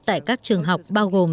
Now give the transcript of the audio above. tại các trường học bao gồm